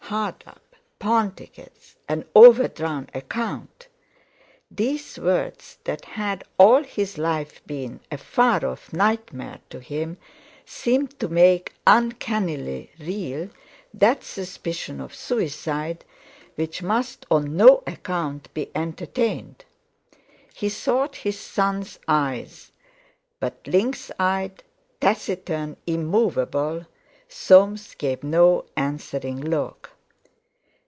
Hard up—pawn tickets—an overdrawn account! These words that had all his life been a far off nightmare to him, seemed to make uncannily real that suspicion of suicide which must on no account be entertained. He sought his son's eye; but lynx eyed, taciturn, immovable, Soames gave no answering look.